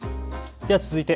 では続いて＃